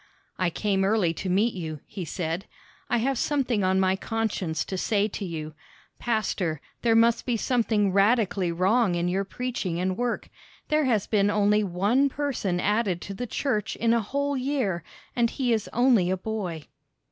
"I came early to meet you," he said. "I have something on my conscience to say to you. Pastor, there must be something radically wrong in your preaching and work; there has been only one person added to the church in a whole year, and he is only a boy."